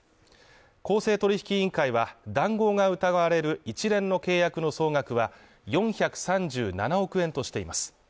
公正取引委員会は、談合が疑われる一連の契約の総額は４３７億円としています。